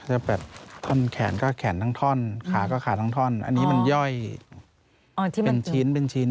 จะแบบทนแขนก็แขนทั้งท่อนขาก็ขาทั้งท่อนอันนี้มันย่อยเป็นชิ้น